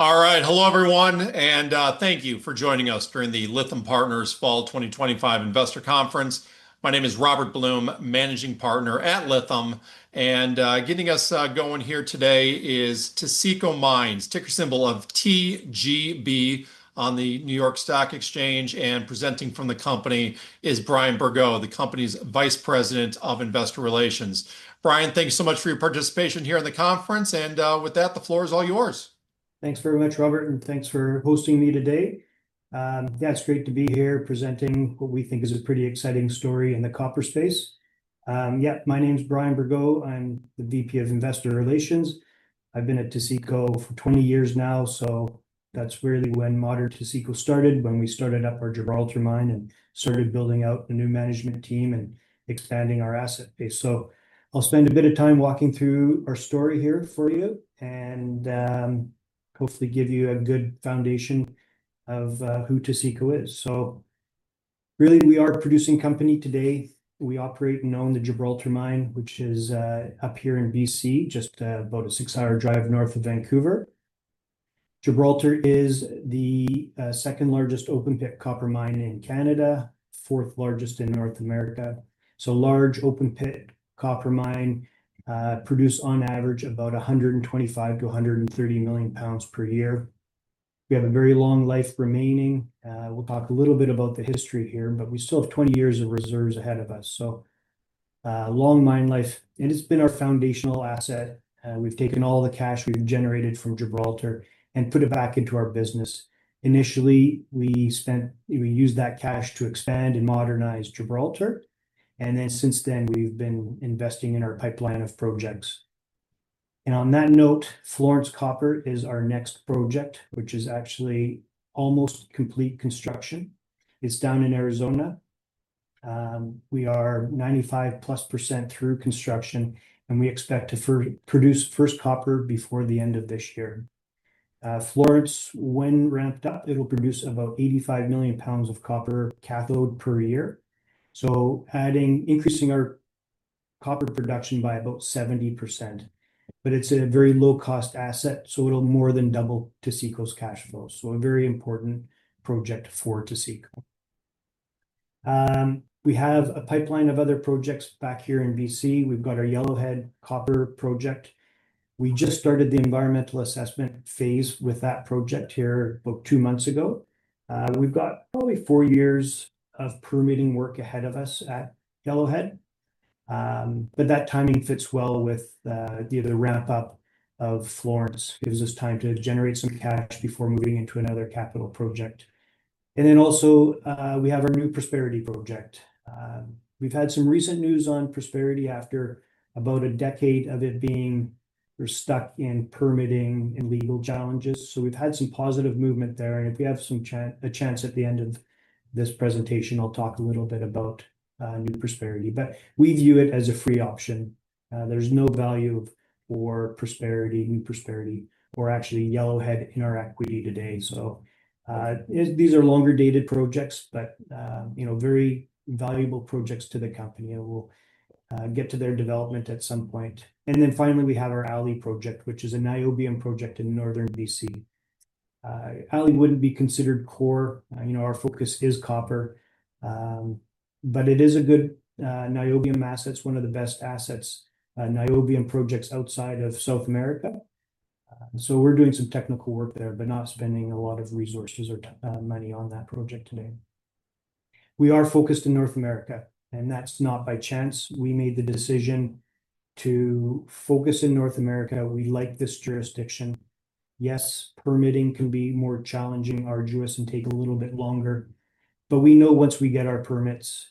All right. Hello, everyone, and thank you for joining us during the Lithium Partners Fall 2025 Investor Conference. My name is Robert Blum, Managing Partner at Lithium. And getting us going here today is Taseko Mines, ticker symbol of TGB, on the New York Stock Exchange. And presenting from the company is Brian Bergot, the company's Vice President of Investor Relations. Brian, thanks so much for your participation here in the conference. And with that, the floor is all yours. Thanks very much, Robert, and thanks for hosting me today. Yeah, it's great to be here presenting what we think is a pretty exciting story in the copper space. Yeah, my name is Brian Bergot. I'm the VP of Investor Relations. I've been at Taseko for 20 years now, so that's really when modern Taseko started, when we started up our Gibraltar Mine and started building out a new management team and expanding our asset base. So I'll spend a bit of time walking through our story here for you and hopefully give you a good foundation of who Taseko is. So really, we are a producing company today. We operate and own the Gibraltar Mine, which is up here in BC, just about a six-hour drive north of Vancouver. Gibraltar is the second largest open-pit copper mine in Canada, fourth largest in North America. So large open-pit copper mine produces on average about 125-130 million pounds per year. We have a very long life remaining. We'll talk a little bit about the history here, but we still have 20 years of reserves ahead of us. So long mine life, and it's been our foundational asset. We've taken all the cash we've generated from Gibraltar and put it back into our business. Initially, we spent; we used that cash to expand and modernize Gibraltar. And then since then, we've been investing in our pipeline of projects. And on that note, Florence Copper is our next project, which is actually almost complete construction. It's down in Arizona. We are 95+% through construction, and we expect to produce first copper before the end of this year. Florence, when ramped up, it'll produce about 85 million pounds of copper cathode per year. So, adding increasing our copper production by about 70%. But it's a very low-cost asset, so it'll more than double Taseko's cash flow. So a very important project for Taseko. We have a pipeline of other projects back here in BC. We've got our Yellowhead Copper Project. We just started the environmental assessment phase with that project here about two months ago. We've got probably four years of permitting work ahead of us at Yellowhead. But that timing fits well with the ramp-up of Florence, gives us time to generate some cash before moving into another capital project. And then also we have our New Prosperity Project. We've had some recent news on Prosperity after about a decade of it being stuck in permitting and legal challenges. So we've had some positive movement there. And if we have a chance at the end of this presentation, I'll talk a little bit about New Prosperity. But we view it as a free option. There's no value for Prosperity, New Prosperity, or actually Yellowhead in our equity today. So these are longer-dated projects, but very valuable projects to the company. It will get to their development at some point. And then finally, we have our Aley project, which is a niobium project in northern B.C. Aley wouldn't be considered core. Our focus is copper, but it is a good niobium asset, one of the best assets, niobium projects outside of South America. So we're doing some technical work there, but not spending a lot of resources or money on that project today. We are focused in North America, and that's not by chance. We made the decision to focus in North America. We like this jurisdiction. Yes, permitting can be more challenging. Our jurisdiction can take a little bit longer, but we know once we get our permits,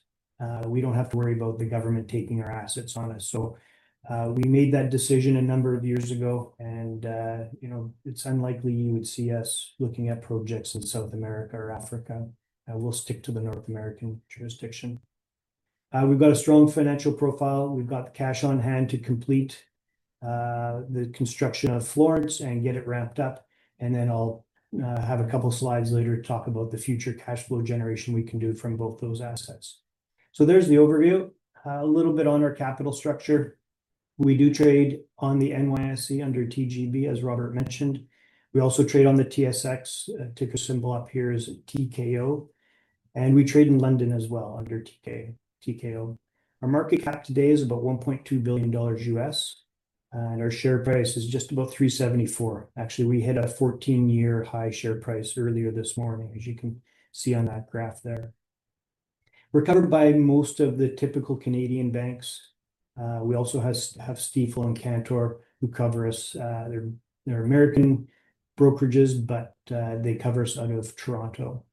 we don't have to worry about the government taking our assets from us. So we made that decision a number of years ago, and it's unlikely you would see us looking at projects in South America or Africa. We'll stick to the North American jurisdiction. We've got a strong financial profile. We've got the cash on hand to complete the construction of Florence and get it ramped up, and then I'll have a couple of slides later to talk about the future cash flow generation we can do from both those assets, so there's the overview, a little bit on our capital structure. We do trade on the NYSE under TGB, as Robert mentioned. We also trade on the TSX. Ticker symbol up here is TKO. We trade in London as well under TKO. Our market cap today is about $1.2 billion, and our share price is just about $3.74. Actually, we hit a 14-year high share price earlier this morning, as you can see on that graph there. We're covered by most of the typical Canadian banks. We also have Stifel and Cantor who cover us. They're American brokerages, but they cover us out of Toronto.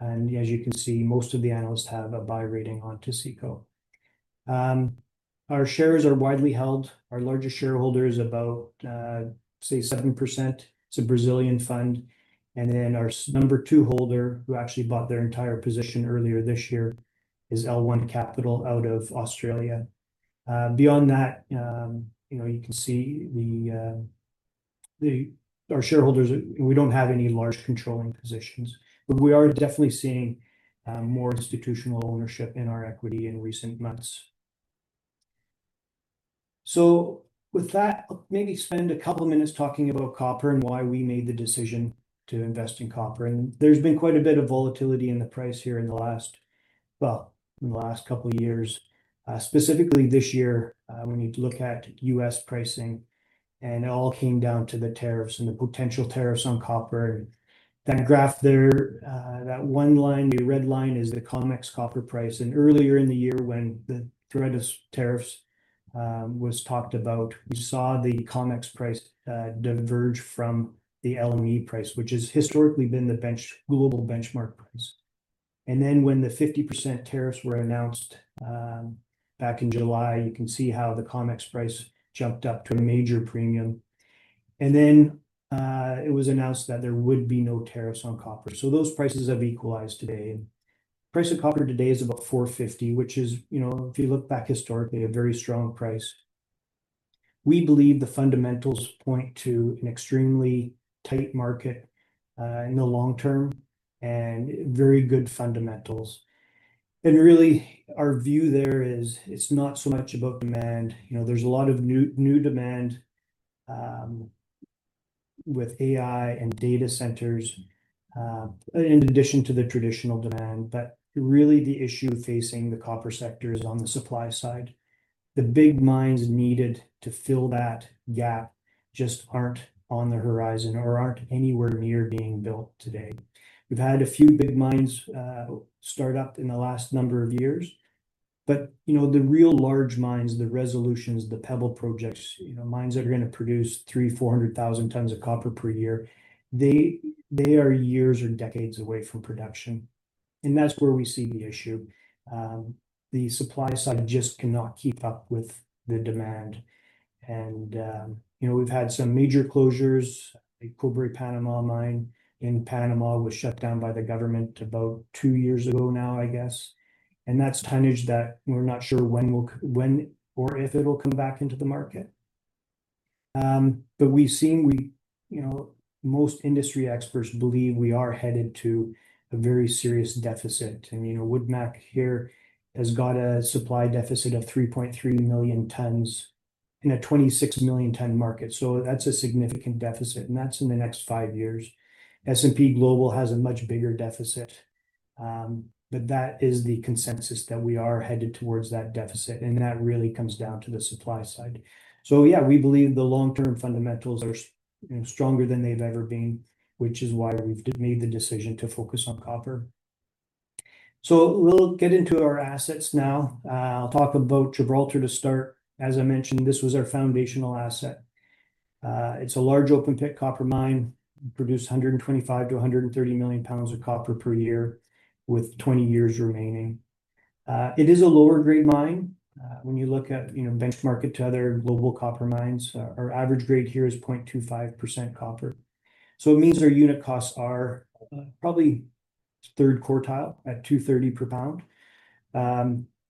Most of the analysts have a buy rating on Taseko. Our shares are widely held. Our largest shareholder is about, say, 7%. It's a Brazilian fund. Our number two holder, who actually bought their entire position earlier this year, is L1 Capital out of Australia. Beyond that, you can see our shareholders. We don't have any large controlling positions, but we are definitely seeing more institutional ownership in our equity in recent months, so with that, I'll maybe spend a couple of minutes talking about copper and why we made the decision to invest in copper, and there's been quite a bit of volatility in the price here in the last, well, in the last couple of years. Specifically this year, when you look at U.S. pricing, and it all came down to the tariffs and the potential tariffs on copper, and that graph there, that one line, the red line, is the COMEX copper price, and earlier in the year, when the threat of tariffs was talked about, we saw the COMEX price diverge from the LME price, which has historically been the global benchmark price. And then when the 50% tariffs were announced back in July, you can see how the COMEX price jumped up to a major premium. And then it was announced that there would be no tariffs on copper. So those prices have equalized today. Price of copper today is about $4.50, which is, if you look back historically, a very strong price. We believe the fundamentals point to an extremely tight market in the long term and very good fundamentals. And really, our view there is it's not so much about demand. There's a lot of new demand with AI and data centers in addition to the traditional demand. But really, the issue facing the copper sector is on the supply side. The big mines needed to fill that gap just aren't on the horizon or aren't anywhere near being built today. We've had a few big mines start up in the last number of years, but the real large mines, the Resolution, the Pebble projects, mines that are going to produce 300,000-400,000 tons of copper per year, are years or decades away from production, and that's where we see the issue. The supply side just cannot keep up with the demand, and we've had some major closures. The Cobre Panama mine in Panama was shut down by the government about two years ago now, I guess, and that's tonnage that we're not sure when or if it'll come back into the market, but we've seen most industry experts believe we are headed to a very serious deficit. And WoodMac here has got a supply deficit of 3.3 million tons in a 26-million-ton market, so that's a significant deficit, and that's in the next five years. S&P Global has a much bigger deficit, but that is the consensus that we are headed towards that deficit, and that really comes down to the supply side, so yeah, we believe the long-term fundamentals are stronger than they've ever been, which is why we've made the decision to focus on copper, so we'll get into our assets now. I'll talk about Gibraltar to start. As I mentioned, this was our foundational asset. It's a large open-pit copper mine. We produce 125-130 million pounds of copper per year with 20 years remaining. It is a lower-grade mine. When you look at benchmark it to other global copper mines, our average grade here is 0.25% copper, so it means our unit costs are probably third quartile at $2.30 per pound,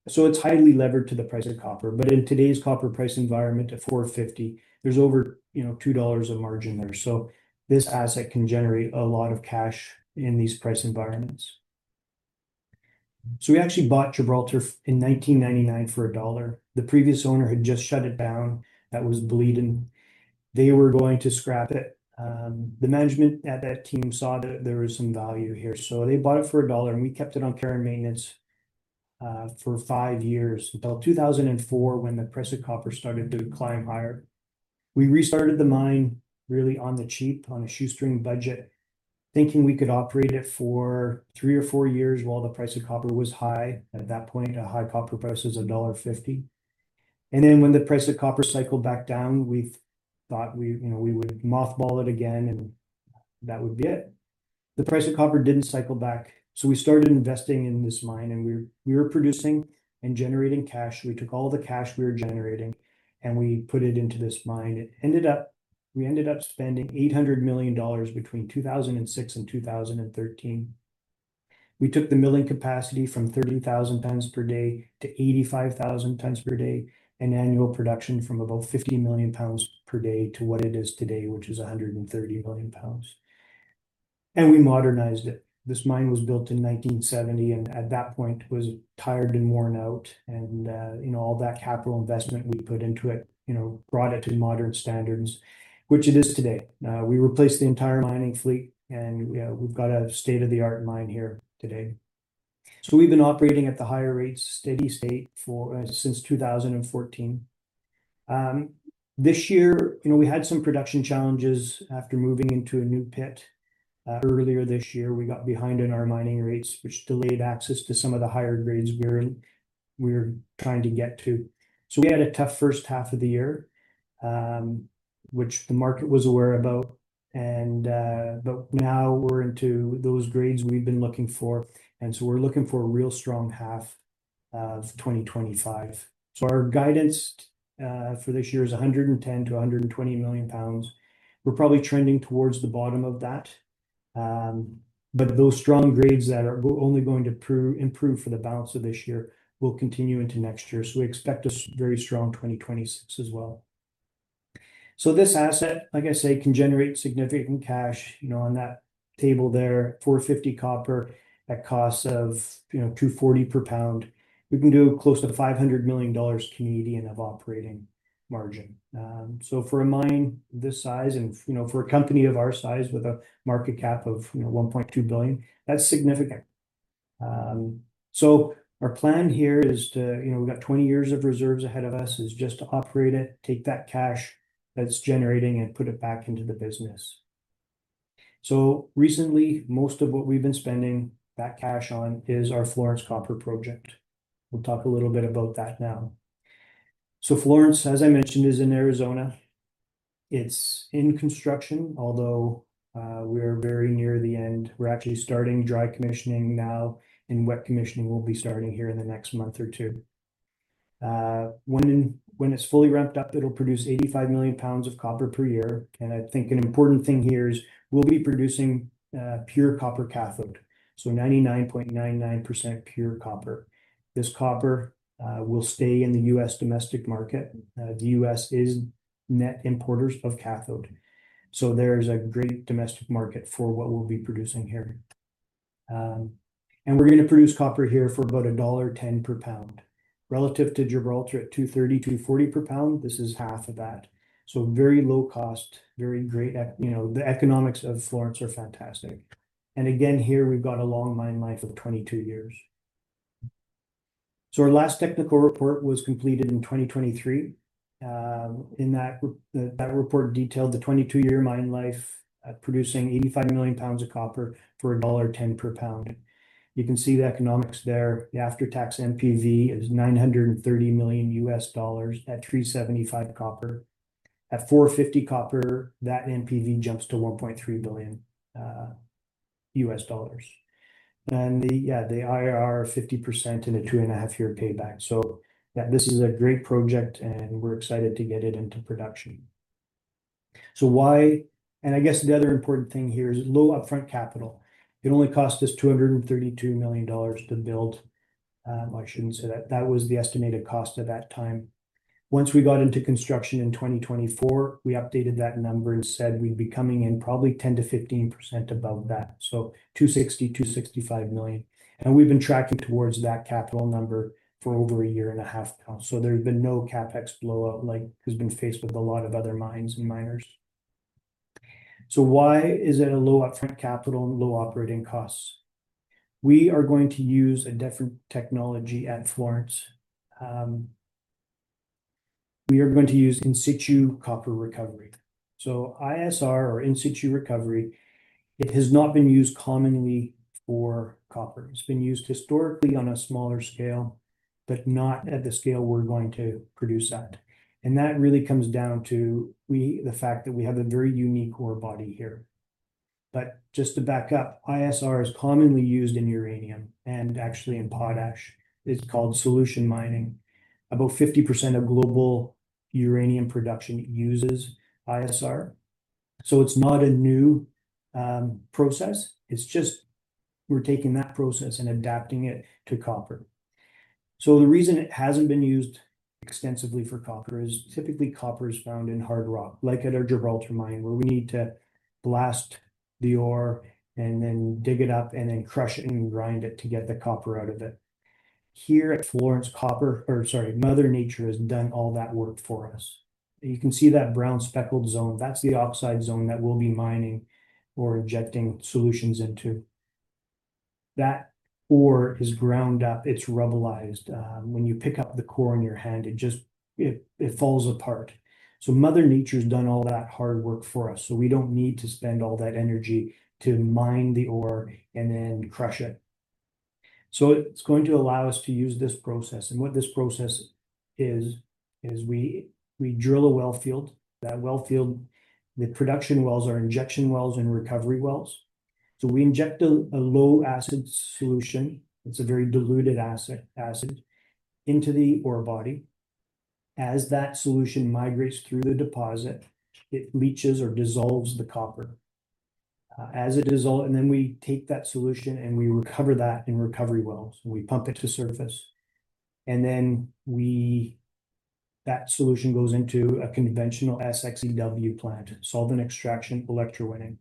so it's highly levered to the price of copper. But in today's copper price environment at $4.50, there's over $2 a margin there. So this asset can generate a lot of cash in these price environments. So we actually bought Gibraltar in 1999 for a dollar. The previous owner had just shut it down. That was bleeding. They were going to scrap it. The management at that team saw that there was some value here. So they bought it for a dollar, and we kept it on care and maintenance for five years until 2004, when the price of copper started to climb higher. We restarted the mine really on the cheap, on a shoestring budget, thinking we could operate it for three or four years while the price of copper was high. At that point, a high copper price was $1.50. And then when the price of copper cycled back down, we thought we would mothball it again, and that would be it. The price of copper didn't cycle back. So we started investing in this mine, and we were producing and generating cash. We took all the cash we were generating, and we put it into this mine. We ended up spending $800 million between 2006 and 2013. We took the milling capacity from 30,000 tons per day to 85,000 tons per day, and annual production from about 50 million pounds per day to what it is today, which is 130 million pounds. And we modernized it. This mine was built in 1970, and at that point, it was tired and worn out. And all that capital investment we put into it brought it to modern standards, which it is today. We replaced the entire mining fleet, and we've got a state-of-the-art mine here today, so we've been operating at the higher rates, steady state since 2014. This year, we had some production challenges after moving into a new pit. Earlier this year, we got behind in our mining rates, which delayed access to some of the higher grades we were trying to get to, so we had a tough first half of the year, which the market was aware about. But now we're into those grades we've been looking for, and so we're looking for a real strong half of 2025. Our guidance for this year is 110-120 million pounds. We're probably trending towards the bottom of that, but those strong grades that are only going to improve for the balance of this year will continue into next year. So we expect a very strong 2026 as well. So this asset, like I say, can generate significant cash. On that table there, $4.50 copper at cost of $2.40 per pound, we can do close to 500 million Canadian dollars of operating margin. So for a mine this size and for a company of our size with a market cap of 1.2 billion, that's significant. So our plan here is to, we've got 20 years of reserves ahead of us, is just to operate it, take that cash that's generating, and put it back into the business. So recently, most of what we've been spending that cash on is our Florence Copper project. We'll talk a little bit about that now. So Florence, as I mentioned, is in Arizona. It's in construction, although we're very near the end. We're actually starting dry commissioning now, and wet commissioning will be starting here in the next month or two. When it's fully ramped up, it'll produce 85 million pounds of copper per year, and I think an important thing here is we'll be producing pure copper cathode, so 99.99% pure copper. This copper will stay in the U.S. domestic market. The U.S. is net importers of cathode. So there's a great domestic market for what we'll be producing here, and we're going to produce copper here for about $1.10 per pound. Relative to Gibraltar at $2.30-$2.40 per pound, this is half of that, so very low cost, very great. The economics of Florence are fantastic, and again, here we've got a long mine life of 22 years, so our last technical report was completed in 2023. In that report, it detailed the 22-year mine life producing 85 million pounds of copper for $1.10 per pound. You can see the economics there. The after-tax NPV is $930 million USD at 375 copper. At 450 copper, that NPV jumps to $1.3 billion USD. And yeah, they are 50% in a two-and-a-half-year payback. So this is a great project, and we're excited to get it into production. And I guess the other important thing here is low upfront capital. It only cost us $232 million to build. I shouldn't say that. That was the estimated cost at that time. Once we got into construction in 2024, we updated that number and said we'd be coming in probably 10%-15% above that. So $260-$265 million. And we've been tracking towards that capital number for over a year and a half now. So there's been no CapEx blowout like has been faced with a lot of other mines and miners. So why is it a low upfront capital and low operating costs? We are going to use a different technology at Florence. We are going to use in-situ copper recovery. So ISR, or in-situ recovery, it has not been used commonly for copper. It's been used historically on a smaller scale, but not at the scale we're going to produce at. And that really comes down to the fact that we have a very unique ore body here. But just to back up, ISR is commonly used in uranium and actually in potash. It's called solution mining. About 50% of global uranium production uses ISR. So it's not a new process. It's just we're taking that process and adapting it to copper. So the reason it hasn't been used extensively for copper is, typically, copper is found in hard rock, like at our Gibraltar Mine, where we need to blast the ore and then dig it up and then crush it and grind it to get the copper out of it. Here at Florence Copper, or sorry, Mother Nature has done all that work for us. You can see that brown speckled zone. That's the oxide zone that we'll be mining or injecting solutions into. That ore is ground up. It's rubblized. When you pick up the core in your hand, it falls apart. So Mother Nature has done all that hard work for us. So we don't need to spend all that energy to mine the ore and then crush it. So it's going to allow us to use this process. What this process is, is we drill a well field. That well field, the production wells are injection wells and recovery wells. We inject a low acid solution. It's a very diluted acid into the ore body. As that solution migrates through the deposit, it leaches or dissolves the copper. Then we take that solution and we recover that in recovery wells. We pump it to surface. Then that solution goes into a conventional SX-EW plant, solvent extraction, electrowinning.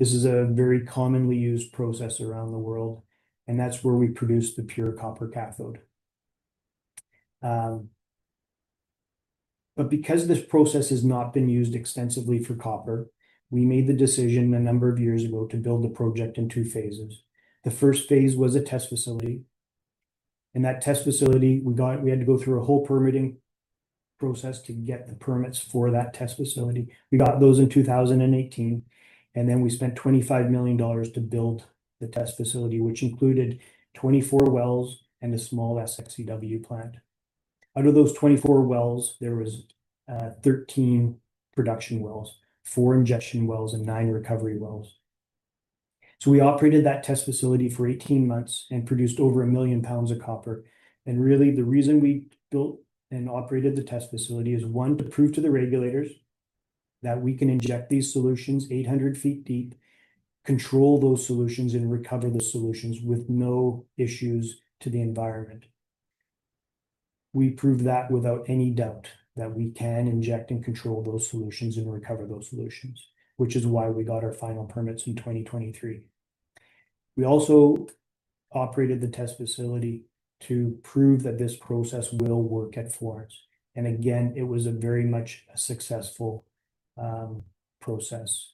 This is a very commonly used process around the world. That's where we produce the pure copper cathode. Because this process has not been used extensively for copper, we made the decision a number of years ago to build the project in two phases. The first phase was a test facility. And that test facility, we had to go through a whole permitting process to get the permits for that test facility. We got those in 2018. And then we spent $25 million to build the test facility, which included 24 wells and a small SX-EW plant. Out of those 24 wells, there were 13 production wells, 4 injection wells, and 9 recovery wells. So we operated that test facility for 18 months and produced over a million pounds of copper. And really, the reason we built and operated the test facility is, one, to prove to the regulators that we can inject these solutions 800 feet deep, control those solutions, and recover the solutions with no issues to the environment. We prove that without any doubt that we can inject and control those solutions and recover those solutions, which is why we got our final permits in 2023. We also operated the test facility to prove that this process will work at Florence, and again, it was very much a successful process,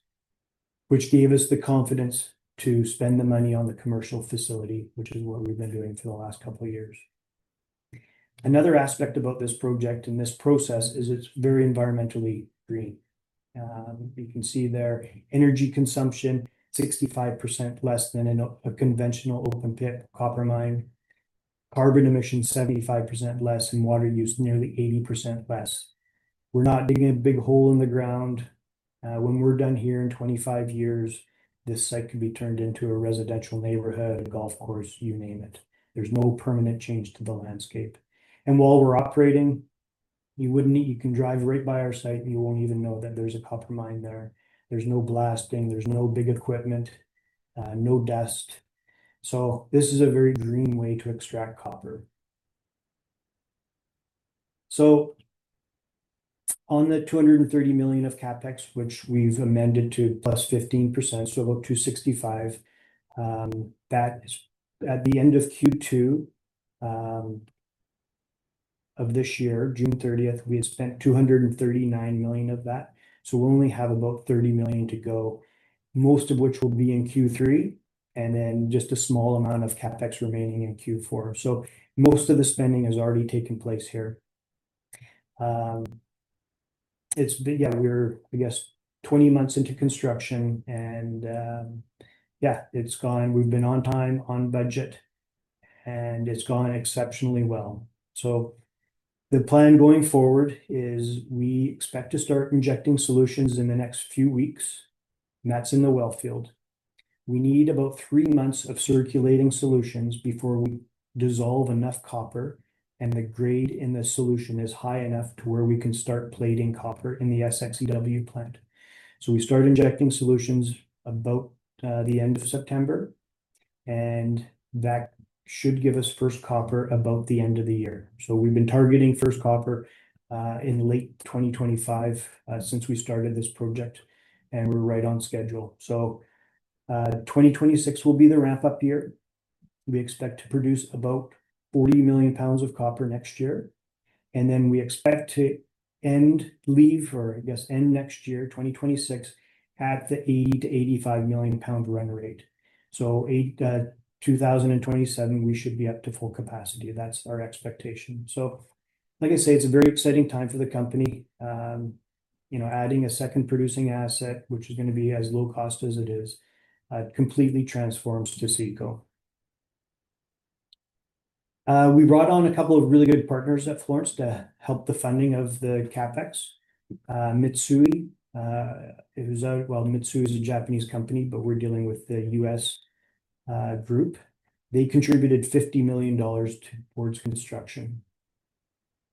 which gave us the confidence to spend the money on the commercial facility, which is what we've been doing for the last couple of years. Another aspect about this project and this process is it's very environmentally green. You can see there, energy consumption, 65% less than in a conventional open-pit copper mine. Carbon emissions, 75% less, and water use, nearly 80% less. We're not digging a big hole in the ground. When we're done here in 25 years, this site could be turned into a residential neighborhood, a golf course, you name it. There's no permanent change to the landscape, and while we're operating, you can drive right by our site, and you won't even know that there's a copper mine there. There's no blasting. There's no big equipment, no dust. So this is a very green way to extract copper. So on the $230 million of CapEx, which we've amended to +15%, so about $265 million, that is at the end of Q2 of this year, June 30th, we had spent $239 million of that. So we'll only have about $30 million to go, most of which will be in Q3, and then just a small amount of CapEx remaining in Q4. So most of the spending has already taken place here. It's been, yeah, we're, I guess, 20 months into construction. And yeah, it's gone. We've been on time, on budget, and it's gone exceptionally well. So the plan going forward is we expect to start injecting solutions in the next few weeks. And that's in the well field. We need about three months of circulating solutions before we dissolve enough copper, and the grade in the solution is high enough to where we can start plating copper in the SX-EW plant. So we start injecting solutions about the end of September. And that should give us first copper about the end of the year. So we've been targeting first copper in late 2025 since we started this project. And we're right on schedule. So 2026 will be the ramp-up year. We expect to produce about 40 million pounds of copper next year. And then we expect to end, level, or I guess end next year, 2026, at the 80-85 million pound run rate. So 2027, we should be up to full capacity. That's our expectation. So like I say, it's a very exciting time for the company. Adding a second producing asset, which is going to be as low cost as it is, completely transforms Taseko. We brought on a couple of really good partners at Florence to help the funding of the CapEx. Mitsui, who's a, well, Mitsui is a Japanese company, but we're dealing with the US group. They contributed $50 million towards construction.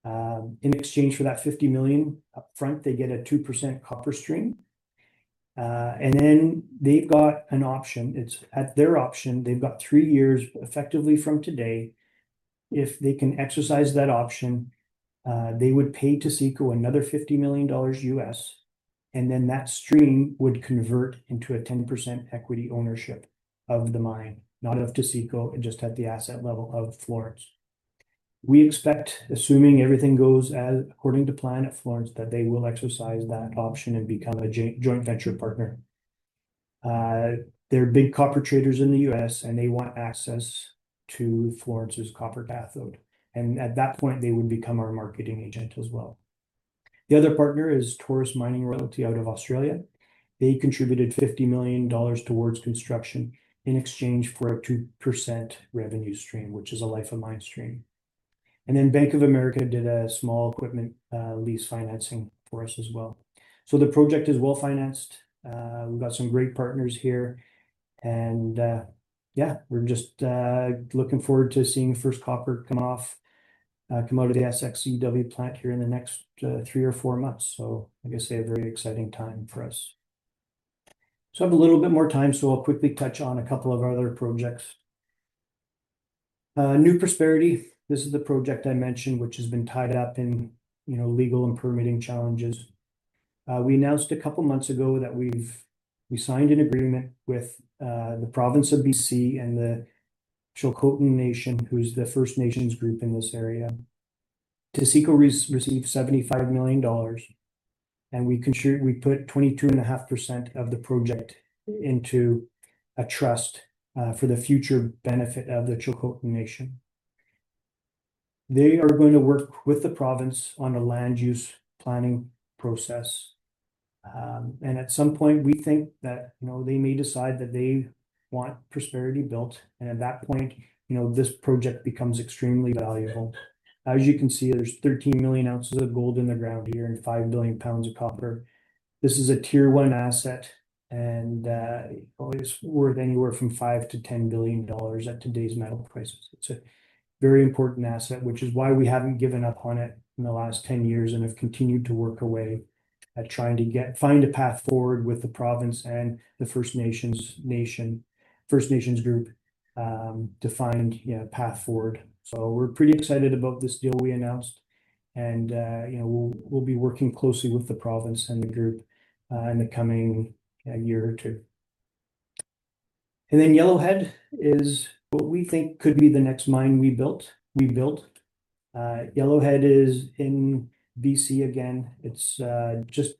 In exchange for that $50 million upfront, they get a 2% copper stream. And then they've got an option. It's at their option. They've got three years effectively from today. If they can exercise that option, they would pay to Taseko another $50 million US. And then that stream would convert into a 10% equity ownership of the mine, not of Taseko, just at the asset level of Florence. We expect, assuming everything goes according to plan at Florence, that they will exercise that option and become a joint venture partner. They're big copper traders in the U.S., and they want access to Florence's copper cathode, and at that point, they would become our marketing agent as well. The other partner is Taurus Funds Management out of Australia. They contributed $50 million towards construction in exchange for a 2% revenue stream, which is a life of mine stream, and then Bank of America did a small equipment lease financing for us as well, so the project is well-financed. We've got some great partners here, and yeah, we're just looking forward to seeing first copper come out of the SX-EW plant here in the next three or four months, so I guess they have a very exciting time for us. I have a little bit more time, so I'll quickly touch on a couple of other projects. New Prosperity, this is the project I mentioned, which has been tied up in legal and permitting challenges. We announced a couple of months ago that we signed an agreement with the province of BC and the Tŝilhqot’in Nation, who's the First Nations group in this area, to receive $75 million. We put 22.5% of the project into a trust for the future benefit of the Tŝilhqot’in Nation. They are going to work with the province on a land use planning process. At some point, we think that they may decide that they want Prosperity built. At that point, this project becomes extremely valuable. As you can see, there's 13 million ounces of gold in the ground here and 5 billion pounds of copper. This is a tier one asset and is worth anywhere from $5-$10 billion at today's metal prices. It's a very important asset, which is why we haven't given up on it in the last 10 years and have continued to work away at trying to find a path forward with the province and the First Nations group to find a path forward. So we're pretty excited about this deal we announced. And we'll be working closely with the province and the group in the coming year or two. And then Yellowhead is what we think could be the next mine we built. Yellowhead is in BC again. It's just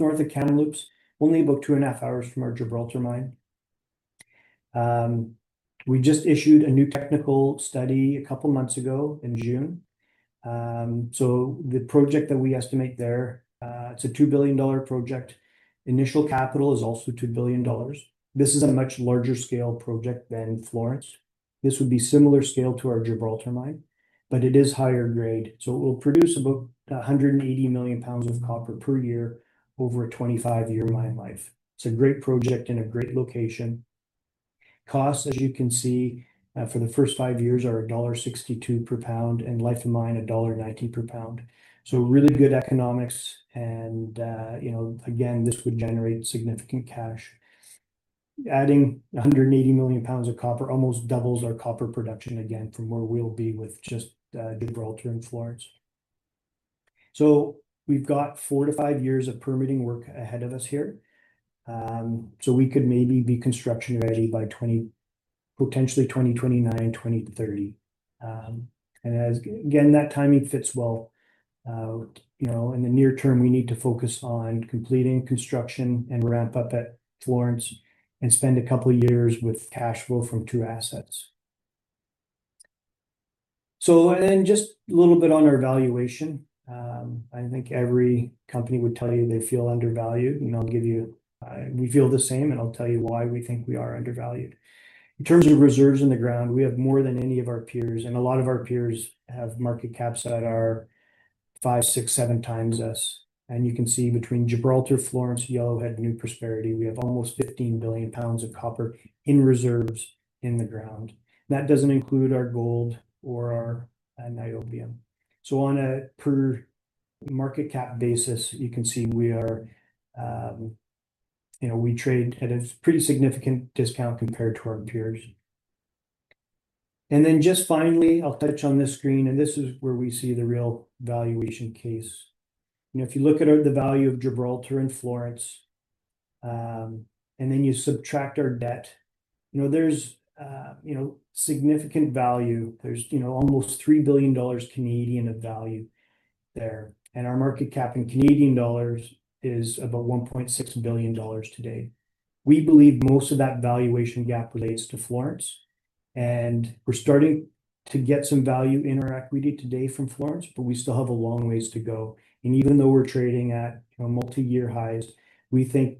north of Kamloops, only about two and a half hours from our Gibraltar Mine. We just issued a new technical study a couple of months ago in June. So the project that we estimate there, it's a $2 billion project. Initial capital is also $2 billion. This is a much larger scale project than Florence. This would be similar scale to our Gibraltar mine, but it is higher grade. So it will produce about 180 million pounds of copper per year over a 25-year mine life. It's a great project in a great location. Costs, as you can see, for the first five years are $1.62 per pound and life of mine $1.90 per pound. So really good economics. And again, this would generate significant ca sh. Adding 180 million pounds of copper almost doubles our copper production again from where we'll be with just Gibraltar and Florence. So we've got four to five years of permitting work ahead of us here. So we could maybe be construction ready by potentially 2029-2030. And again, that timing fits well. In the near term, we need to focus on completing construction and ramp up at Florence and spend a couple of years with cash flow from two assets. So then just a little bit on our valuation. I think every company would tell you they feel undervalued. And I'll give you, we feel the same, and I'll tell you why we think we are undervalued. In terms of reserves in the ground, we have more than any of our peers. And a lot of our peers have market caps that are five, six, seven times us. And you can see between Gibraltar, Florence, Yellowhead, New Prosperity, we have almost 15 billion pounds of copper in reserves in the ground. That doesn't include our gold or our niobium. So on a per market cap basis, you can see we trade at a pretty significant discount compared to our peers. And then just finally, I'll touch on this screen. And this is where we see the real valuation case. If you look at the value of Gibraltar and Florence, and then you subtract our debt, there's significant value. There's almost 3 billion Canadian dollars of value there. And our market cap in Canadian dollars is about 1.6 billion dollars today. We believe most of that valuation gap relates to Florence. And we're starting to get some value in our equity today from Florence, but we still have a long ways to go. And even though we're trading at multi-year highs, we think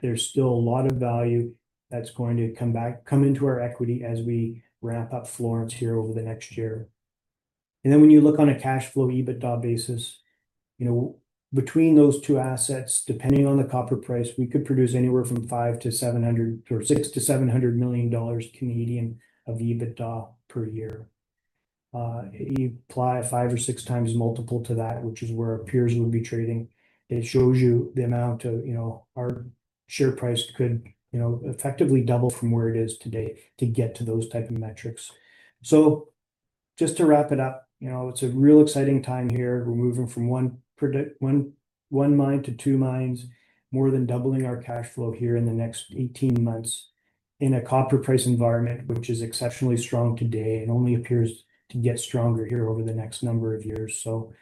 there's still a lot of value that's going to come into our equity as we ramp up Florence here over the next year. And then, when you look on a cash flow EBITDA basis between those two assets, depending on the copper price, we could produce anywhere from 5 million to 700 million dollars or CAD 6 million to CAD 700 million of EBITDA per year. You apply a five or six times multiple to that, which is where our peers would be trading. It shows you the amount of our share price could effectively double from where it is today to get to those type of metrics. So just to wrap it up, it's a real exciting time here. We're moving from one mine to two mines, more than doubling our cash flow here in the next 18 months in a copper price environment, which is exceptionally strong today and only appears to get stronger here over the next number of years. So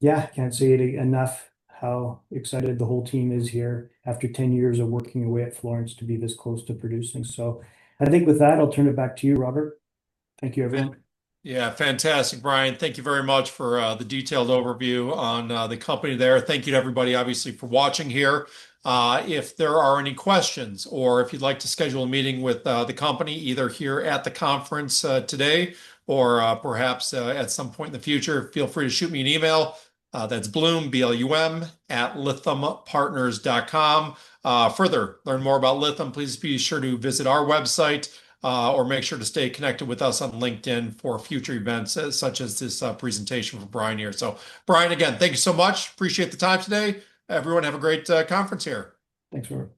yeah, can't say it enough how excited the whole team is here after 10 years of working away at Florence to be this close to producing. So I think with that, I'll turn it back to you, Robert. Thank you, everyone. Yeah, fantastic, Brian. Thank you very much for the detailed overview on the company there. Thank you to everybody, obviously, for watching here. If there are any questions or if you'd like to schedule a meeting with the company, either here at the conference today or perhaps at some point in the future, feel free to shoot me an email. That's blum@lithiumpartners.com. Further, learn more about Lithium, please be sure to visit our website or make sure to stay connected with us on LinkedIn for future events such as this presentation from Brian here. So Brian, again, thank you so much. Appreciate the time today. Everyone, have a great conference here.